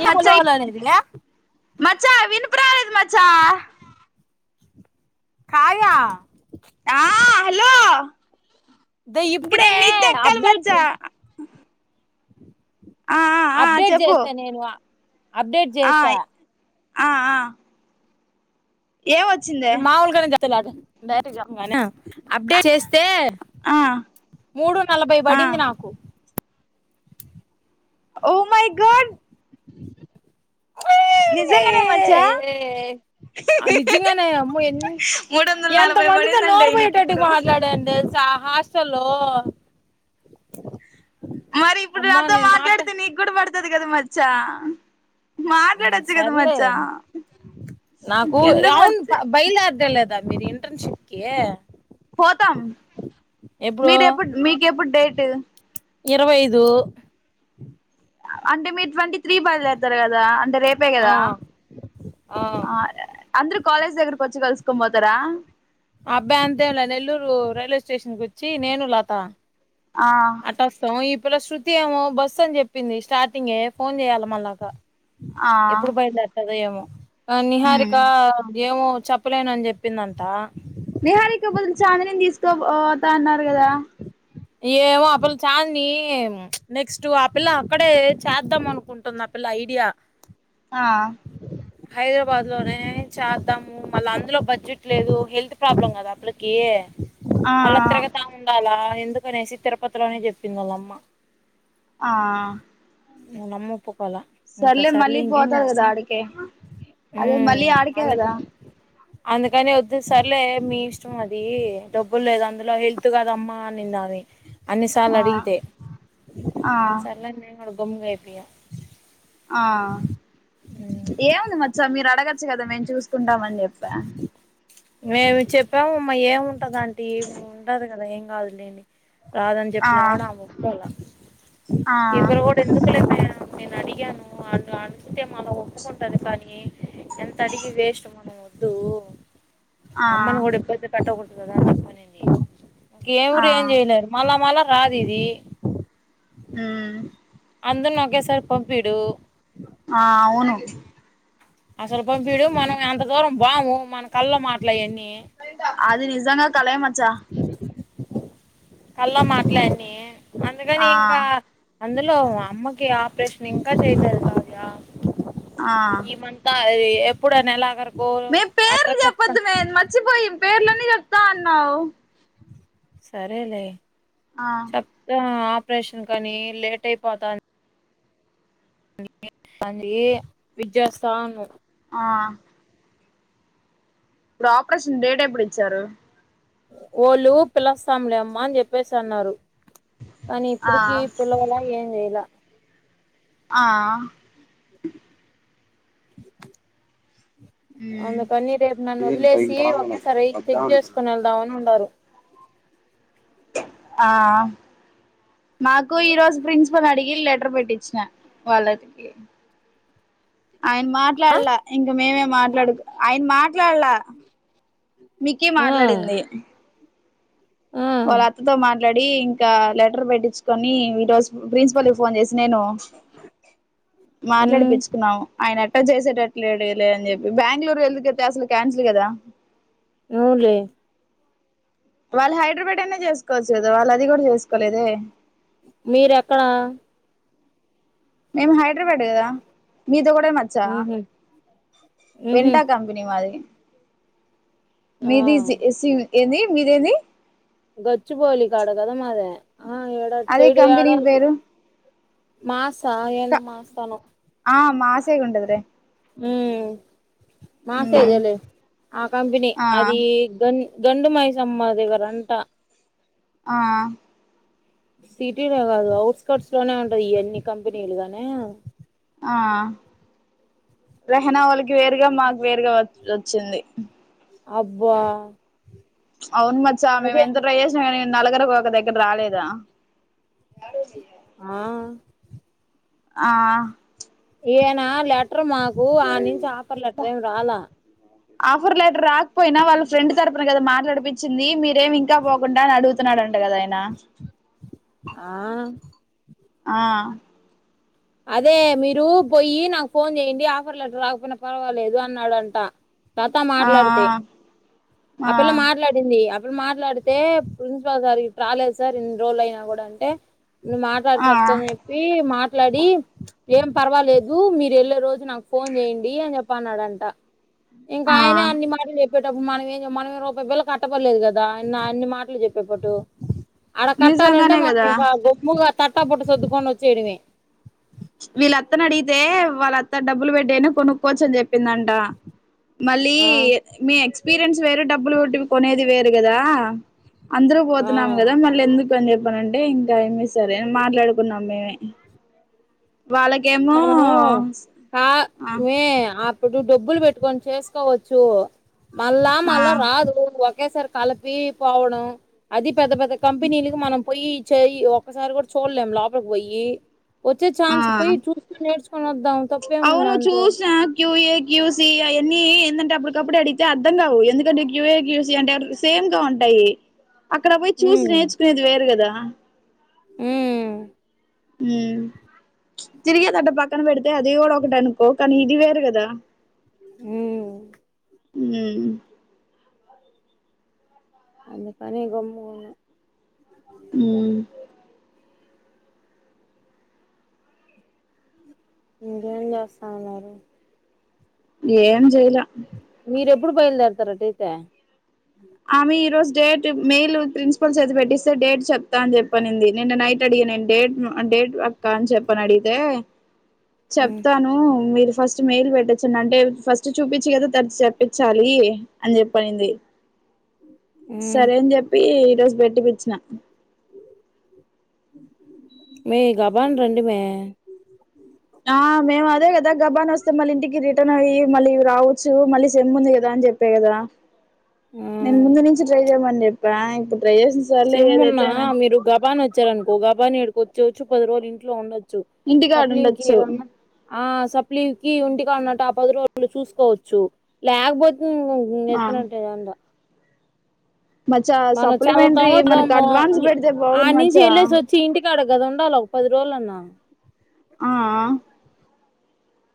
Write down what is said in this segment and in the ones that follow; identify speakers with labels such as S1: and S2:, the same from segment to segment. S1: ఏ hello
S2: మచ్చా
S1: hello అనేది లే
S2: మచ్చా వినిపరాలేదు మచ్చా
S1: కార్య
S2: ఆ హలో
S1: ద
S2: ఇంక
S1: ఇప్పుడే
S2: నేను మిద్దె ఎక్కాలి
S1: అప్డేట్ చే
S2: మచ్చా ఆ ఆ ఆ
S1: అప్డేట్
S2: చెప్పు
S1: చేసా నేను అప్డేట్
S2: ఆ
S1: చేసా
S2: ఆ ఆ ఏం వచ్చింది
S1: త్తలా డైరెక్ట్ గా చెప్పాను కానీ అప్డేట్ చేస్తే
S2: ఆ
S1: మూడు నలభై
S2: ఆ
S1: పడింది నాకు
S2: ఓ మైగాడ్ నిజంగానే మచ్చ
S1: ఆ నిజంగానే అమ్మో ఎన్ని
S2: మూడు వందల
S1: ఎంత
S2: నలభై
S1: మందితో
S2: పడిందండి
S1: నోరు
S2: ఇంకా
S1: పోయేటట్టుగా
S2: ఇప్పుడు
S1: మాట్లాడాను తెలుసా ఆ హాస్టల్ లో
S2: మరి ఇప్పుడు నాతో మాట్లాడితే నీకు కూడా పడతాయి ఉంటది కద మ చ్చ
S1: సర్లే నాకు
S2: ఎందుకు
S1: అవును
S2: మచ్చ
S1: బయలుదుర్ధంలేదా మీరు ఇంటర్న్షిప్కి
S2: పోతాం మీరు ఎప్పుడు మీకెప్పుడు డేట్
S1: ఇరవై అయిదు
S2: అంటే మీరు ట్వంటీ స్ీ బదులుతారు కదా అంటే రేపే
S1: ఆ
S2: కదా
S1: ఆ ఆ
S2: అందరు కాలేజ్ దగ్గరకి వచ్చి కల్స్ కుబతార
S1: ఆ అబ్బాయి అంతేం నెల్లూరు రైల్వే స్టేషన్కి వచ్చి నేను లత
S2: ఆ
S1: ఆటస్త ఈ ఇప్పుడ శృతి ఏము బస్సు అని చెప్పింది స్టార్టింగే ఫోన్ చేయాల మళ్ళాగా
S2: ఆ
S1: ఎప్పుడు బయలు దత అదేమో నిహారిక
S2: ఉమ్
S1: ఏమో చెప్పలేన అని చెప్పిందంట
S2: నిహారికపో చానిని తీసుకో స్త అన్నారు కదా
S1: ఏమో ఆ పిల్ల చాని నెక్స్ట్ ఆ పిల్ల అక్కడే చేద్దాం అనుకుంటుంది ఆ పిల్ల ఐడియా
S2: ఆ
S1: హైదరాబాద్ లోనే చేద్దాము మళ్ళా అందులో బడ్జెట్ లేదు హెల్త్ ప్రాబ్లం కదా అప్పలకి
S2: ఆ
S1: మళ తిరగ తగుండాల ఎందుకునేసి తిరుపతిలోనే చెప్పింద వాళ్ళమ్మ
S2: ఆ
S1: నమ్ ప చెకోాల
S2: సర్లే
S1: ఇంకాసర్లి
S2: మళ్ళీ
S1: ఇంకేం
S2: పోతది కదా
S1: చేస్తాం
S2: ఆడికే అదే మళ్ళ
S1: ఉమ్
S2: ఆడికే
S1: అందుక
S2: అదా
S1: అందుకని వద్దు సర్లే మీ ఇష్టం అది డబ్బులు లేదు అందులో హెల్త్ కాదమ్మా అనిందావి అన్నిసార్
S2: ఆ
S1: అడిగితే
S2: ఆ
S1: అ సార్ కొంంగైపోేయా
S2: ఆ ఏముంది మచ్చ మీరు అడగచ్చు కదా మేము చూసుకుంటామని చెప్పా
S1: మేము చెప్పాము మా ఏం దాంటి ఉంటదు కదా ఏం కలేని రాదని చెప్పిన కూడా ఆ ముక్క అలా
S2: ఆ
S1: ఇవ కూడా కూడా ఎందుకులేమే నేను అడిగాను అ మనం ఒప్పుకుంటాను కానీ ఎంత అడికి వేస్ మన వద్దు
S2: ఆ
S1: అమ్మను హడపోయితే కట్ట దదా చెప్పంది
S2: ఆ
S1: ఎవరు ఏం చేయలేరు మళ్ మన రా దీదీ
S2: హ
S1: అందుని ఒకేసారి పంపిడు
S2: ఆ అవును
S1: అసలు పంపిడు మనం ఎంత దూరం బాము మన కళ్ళ మాట్లాయన్న
S2: అది నిజంగా కల మ చ్చ
S1: [inaudible] కళ్ళ మాట్లాన్ని అందుకని
S2: ఆ
S1: ఇంకా అందులో అమ్మకి ఆపరేషన్ ఇంకా చేయగరుగుతవ్యా
S2: ఆ
S1: ఈమంతా ఎప్పుడు అన్న ఎలాగ ఓ
S2: మే
S1: అఠరా చ
S2: పేర్లోని జగత అన్నా
S1: సరేలే
S2: ఆ
S1: సత్త ఆపరేషన్ కానీ లేట్ అయిపోతాను అందుకే విద్యస్తథాను
S2: ఆ ఇప్పు ఆపరేషన్ రడేట పడిచ్చారు
S1: ఓళ్ళు పిలస్తాంలేమ్మ అని చెప్పేసి అన్నారు కానీ
S2: ఆ
S1: ఇప్పుడుకి పిల్లలా ఏం చేయలా
S2: ఆ మ్
S1: అందుకని రేపు నన్ను వదిలేసి ఒకేసారి చెక్ చేసుకుని వెళ్దామని ఉన్నారుారు [inaudible]
S2: ఆ మాకు ఈరోజు ప్రిన్సిపల్ అడిగి లెటర్ పెట్టించిన వాళ్ళకి ఆయన
S1: ఆ
S2: మాట్లాడలా ఇంక మేమే మాట్లాడు ఆయన మాట్లాడలా మీకే
S1: ఆ
S2: మాట్లాడింది
S1: ఆ
S2: వాళ్ళ అతతో మ డి ఇంకా లెటర్ పెట్టించుకొని ఈ రోజు ప్రిన్సిపల్ కి ఫోన్ చేసి నేను మాట్లాడి
S1: ఉమ్
S2: పచ్చుకున్నాను ఆయన ఎట్టలా చేసేటట్లేడు లే అని చెప్పి బెంగళూరు వెళ్దుకతే అసలు క్యాన్సిల్ కదా
S1: అవులే
S2: వాళ్ళు హైదరాబాద్ అయినే చేసుకోవచ్చు కదా వాళ్ళు అది కూడా చేసుకోలేదే
S1: మీర ఎక్కడా
S2: మేము హైదరాబాద్ కదా మీద ఒక మచ్చ
S1: ఉహు ఉహు
S2: వెంట కంపెనీ మాది
S1: ఆ
S2: మది ఇ ఏని మీరేని
S1: గొచ్చిబోలి కాడ కద మాద
S2: అదే కంపెనీ పేరు
S1: మాస్ తాయాల మాస్తానం
S2: ఆ మా సైడ్ ఉంటదిలే
S1: ఊ మాసైజేలే ఆ కంపెనీ
S2: ఆ
S1: అది గన్ గండి మై సమ్మ దేవర అంటా
S2: ఆ
S1: సిటీలో గాదు ఔట్కర్ట్స్ లోనే ఉంటది ఈ అన్ని కంపెనీలుగానీ
S2: ఆ రెహనా వాళ్ళకి వేరుగా మాకు వేరుగా వ వచ్చింది
S1: అబ్బా
S2: అవును మచ్చా మేము
S1: అదే
S2: ఎంత ట్రైచేసిన గాని నలుగర ఒక దగ్గర రాలేదా
S1: ఆ
S2: ఆ
S1: ఏ అనా లేక లెటర్ మాకు ఆ నుంచి ఆఫర్ లెటర్ ఏం రాలా
S2: ఆఫర్ లెటర్ రాకపోయినా వాళ్ళ ఫ్రెండ్ తరపున కదా మాట్లాడిపించింది మీరు ఇదేమి ఇంకా పోకుండా అని అడుగుతున్నాడంట కదా ఆయనా
S1: ఆ
S2: ఆ
S1: అదే మీరు పోయి నాకు ఫోన్ చేయండి ఆఫర్ లెటర్ రాకపోయినా పర్వాలేదు అన్నాడంట లత
S2: ఆ
S1: మాట్లాడితే ఆ పిల్ల మాట్లాడింది ఇప్పుడు మాట్లాడితే ప్రిన్సిపాల్ సార్ ఇప్పుడు రాలేదు సార్ ఎన్ని రోజులు అయినా కూడా అంటే నువ్వు మాట్లాడు
S2: ఆ
S1: చెప్త అని చెప్పి మా మాట్లాడి ఏం పర్వాలేదు మీరు వెళ్ళే రోజు నాకు ఫోన్ చేయండి అని చెప్పి అన్నాడంట ఇంకా
S2: ఆ
S1: ఆయనే అన్ని మాటలు చెప్పేటప్పుడు మనం ఏం మనం రూపాయ బిళ్ళ కట్టపడలేదు కదా ఇ ఇన్ని మాటలు చెప్పేటప్పు ఆడ కట్టాలంటే
S2: నిజంగానే
S1: మనం
S2: కదా
S1: ఇంకా గమ్ముగా తట్టా బుట్ట సర్దుకొని వచ్చేయడమే
S2: వీళ్ళత్తను అడిగితే వాళ్ళత్త డబ్బులు పెట్టైన కొనుక్కోచ్చు అని చెప్పి చెప్పిందంట మళ్ళీ
S1: ఆ
S2: మీ ఎక్స్ ఎక్స్పీరియన్స్ వేరు డబ్బులు పెట్టి కొనేది వేరు గదా అందరూ పోతున్నాం
S1: ఆ
S2: కదా మళ్ళ ఎందుకు కని చెప్పానంటే ఇంకా ఏమి సరే మాట్లాడుకున్నాం మేమే వాళ్ళకేమో
S1: మనము
S2: ఆ
S1: ఇప్పుడు డబ్బులు పెట్టుకొని చేసుకోవచ్చు మళ్ళా
S2: ఆ
S1: మళ్ళ రాదు [unintelligible] ఒకేసారి కలిపి పోవడం అది పెద్ద పెద్ద కంపెనీలకి మనం పోయి చేయి ఒకసారి కూడా చూడలేం లోపలికి పోయి వచ్చే చాన్స్
S2: ఆ అవును
S1: దాంతో
S2: చూసా క్యూ ఏ క్యూ సి అయన్ని ఏంటంటే అప్పుడు కప్పుడు అడిగితే అర్థం కావు ఎందుకంటే క్యూఏ క్యూసి అంటే సేమ్ గా ఉంటాయి అక్కడ పోయి చూసి
S1: ఉమ్
S2: నేర్చుకునేది వేరు గదా ఆ
S1: ఉమ్
S2: ఊ తిరిగె దాకా పక్ పక్కనపెడితె అది కూడా ఒకటి అనుకో కానీ ఇది వేరు కదా
S1: ఉమ్
S2: ఉమ్
S1: అందుకని గమ్ముగున్ను
S2: ఊ
S1: ఇంకేం చేస్తా ఉన్నారు
S2: ఏం చేయిలా
S1: ఎప్పుడు బయలుదేరతారటైతే
S2: ఆమె ఈ రోజ్ డేట్ మెయిల్ ప్రిన్సిపల్ చేత పెట్టిస్తే డేట్ చెప్తా అని చెప్పనింది నిన్న నైట్ అడిగిన డేట్ను డేట్ అక్క చెప్ప అని అడిగితే
S1: ఉమ్
S2: చెప్తాను మీరు ఫస్ట్ మెయిల్ పెట్టొచ్చండి అంటే ఫస్ట్ చూపిచ్చి కదా తనతో చెప్పిచ్చాలి అని చెప్పి అనింది
S1: ఉమ్
S2: సరే అని జెప్పి ఈరోజు బెట్టిపిచ్చిన
S1: మే గబాండ రండి మే
S2: అ మళ్ళీ ఇంటికి రిటర్న్ అయి మళ్ళీ ఇవి రావచ్చు మళ్ళీ సెమ్మ్ ఉంది కదా అని చెప్ప కదా నేను ముందు నుంచి డ్రై చేయమండి ప్ర ఇప్పుడు ట్రై చేసిన సర్లే
S1: సిమ్ ఉన్నా
S2: ఏదైతేమే
S1: మీరు గబాని వచ్చారనుకో గబాని ఏడుకో చూచ్చు పది రజులు ఇంట్ ఉండదు
S2: ఇంటికా ఆడుండచ్చు
S1: ఆ సప్లీకి వుంటికి అన్నట్టు ఆ పది రోజలు చూసుకోవచ్చు లేకపోతే
S2: ఆ
S1: ఎత్నంటదా ఉంటా
S2: మచ్చా
S1: మనం చాలా
S2: సప్లిమెంటరీ మనకు అడ్వాన్స్ పెడితే
S1: [inaudible] ఆ
S2: బాగుండు
S1: నుంచి
S2: మచ్చా
S1: యెళ్ళేసి వచ్చి ఇంటికి అడ గదుండాల ఒక పది రోజులు అన్నా
S2: ఆ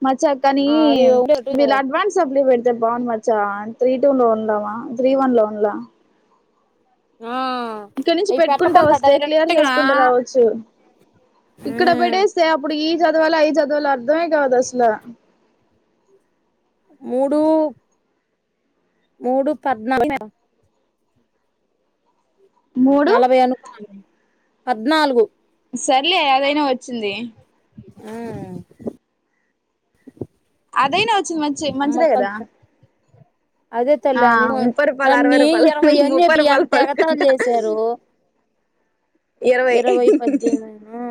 S2: మచ్చా కానీ
S1: ఆ, అది ఉండేట్టు
S2: వీళ్ళు
S1: కదా.
S2: అడ్వాన్స్ సప్లి పెడితే బాగుం మచ్చా త్రీ టూ లో ఉన్ందవా త్రీ వన్ లో ఉన్లా
S1: ఆ
S2: ఇక్కడ నుంచి
S1: అవి
S2: పెట్టుకుంటా
S1: పెట్టకుండా
S2: వస్తే క్లియర్
S1: డైరెక్ట్ గా
S2: చేసుకుంటూ రావచ్చు ఇక్కడ
S1: మ్మ్
S2: పెడేస్తే అప్పుడు ఈ అదివల ఐదు అదువల అర్థమే కావదుా అసలు
S1: మూడు మూడు పద్నాలుగు
S2: మూడు
S1: నలభై అనుకోన్నా పద్నాలుగు
S2: సర్లే ఏయాదైనా వచ్చింది
S1: ఆ
S2: అదేనా వచ్చింది మంచి మంచిదే
S1: అమ్మ
S2: కదా
S1: అదే
S2: ఆ
S1: తెల్లిం
S2: ముప్పై రూపాయలు అరవై
S1: నన్నీ
S2: రూపాయలు
S1: ఇరవై అని
S2: ముప్పై
S1: చెప్పి
S2: రూపాయలు
S1: ఎంత ఎగతాలు
S2: పడుకుంటా
S1: చేశారు ఇరవై పద్దెనునా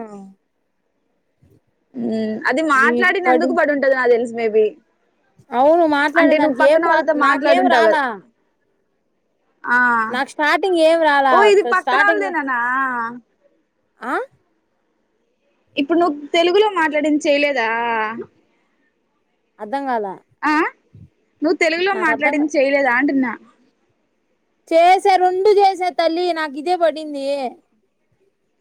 S2: ఉ అది మాట్లాడిన అందుకు పడి ఉంటది నా తెలుసు మే బ
S1: అవును మాట్లాడిన దానికి ఏం
S2: వాళ్ళతో
S1: నాకేం
S2: మాట్లాడుంటావు కదా
S1: రాలా
S2: ఆ
S1: నాకు స్టార్టింగ్ ఏం రాలా
S2: ఓ ఇది పక్కన
S1: స్టార్టింగ్
S2: వాళ్ళదేనానా
S1: ఆ
S2: ఇప్పుడు నువ్వు తెలుగులో మాట్లాడిన చేయలేదా
S1: అర్థం కాదా
S2: ఆ నువ్వు తెలుగులో మాట్లాడింది చేయలేదు అంటున్నా
S1: చేసా రెండు చేసా తల్లి నాకు ఇదే పడింది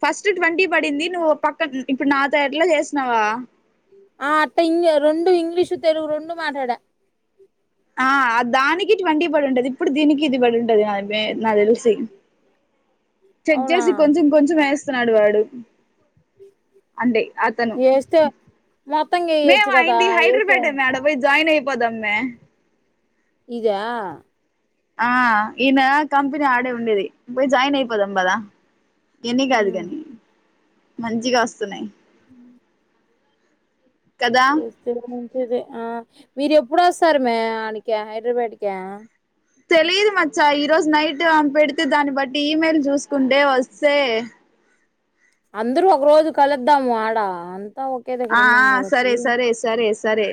S2: ఫస్ట్ ట్వంటీ పడింది నువ్వు పక్క ఇప్పుడు నా తట్లా చేసినవా
S1: ఆ అట్ట ఇ రెండు ఇంగ్లీషు తెలుగు రెండు మాట్లాడ
S2: ఆ దానికి ట్వంీ పడి ఉంటది ఇప్పుడు దీనికి ఇది పడి ఉంటది నా నా తెలిసి చెక్
S1: అవునా
S2: చేసి కొంచెం కొంచెం వేస్తున్నాడు వాడు అంటే అతను
S1: ఏస్తే మొత్తంగా వేయచ్చు
S2: మేము
S1: కదా
S2: అయింది
S1: ఏస్తే
S2: హైదరాబాద్ అమ్మాడ పోయి జాయిన్ అయిపోదమ్మే
S1: ఇదా
S2: ఆ ఈయన కంపెనీ ఆడే ఉండేది పోయి జాయిన్ అయిపోద అంబదా ఎన్ని కాదు కానీ మంచి కాస్తన్నాయి
S1: అ
S2: కదా
S1: వ ే ఆ మీరు ఎప్పుడు వస్తారు మే ఆయనకి హైదరాబాద్కి
S2: తెలిదు మచ్చా ఈ రోజు నైట్మె పెడితే దాన్ని బట్టి ఈమెయిల్ చూసుకుంటే వస్తే
S1: అందరూ ఒక రోజు కలుద్దాము ఆడ ఒకే దగ్గర
S2: ఆ
S1: ఉన్నాం
S2: ఆ సరే
S1: కాబట్టి
S2: సరే సరే సరే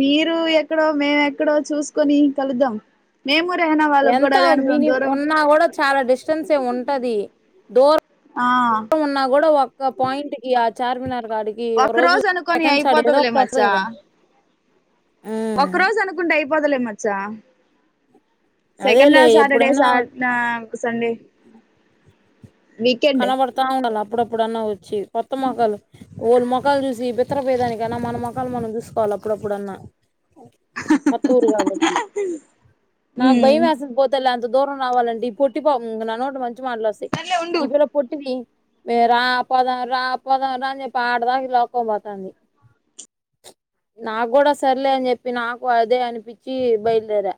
S2: మీరు ఎక్కడో మేము ఎక్కడో చూసుకొని కలుద్దాం మేము రెహనా వాళ్ళకి కూడా
S1: ఎంత
S2: అదే అనుకున్నాం
S1: మిని
S2: దూరం
S1: ఉన్నా కూడా చాలా డిస్టెన్స్ ఏమి ఉంటది దూరం
S2: ఆ
S1: ఒక పాయింట్ కి ఆ చార్మినార్ కాడికి
S2: ఒక రోజు అనుకని
S1: సెకండ్ సాడ్ ఏదో ఒకటి వస్తది
S2: అయిపోతుదిలేమచ్చా
S1: కదా ఉమ్
S2: ఒక రోజు అనుకుంటే అయిపోదలే మచ్చా చ్చ సెకండ్
S1: అదేలే
S2: సాటర్డే
S1: ఎప్పుడైనా
S2: సాటడే సండే వీకెండ్
S1: కనబడుతా ఉండాలి అపుడప్ అప్పుడన్నా వచ్చి కొత్త మొహాలు వాళ్ళు మొహలు చూసి బెత్తరపోయేదానికన్నా మన మొకాలు మనం చూసుకోవాలి అప్పుడప్పుడన్నా కొత్తూరు కాబట్టి నాకు భయం వసంది పో తల్య అంత దూరం రావాలంటే పొట్టి పాప ఉంది నానోటి న్నుంచి మారలాసి
S2: సర్లే ఉండు
S1: పొట్టిది మే రా పోదాం రా పోదాం రా అని చెప్పి ఆడదాకా లాకొని పోతంది నాకు కూడా సర్లే అని చెప్పి నాకు అదే అనిపించి బయలుదేరా